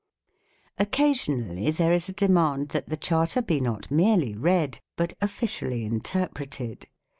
Occasionally there is a demand that the Charter be not merely read, but officially interpreted.